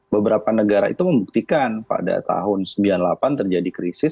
beberapa negara itu membuktikan pada tahun seribu sembilan ratus sembilan puluh delapan terjadi krisis